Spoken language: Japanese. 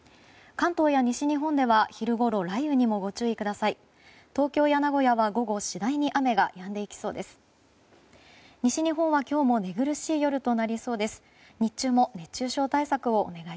関東や西日本では昼ごろ雷雨にもご注意ください。